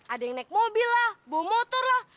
ada yang naik mobil lah bawa motor lah